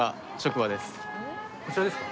こちらですか？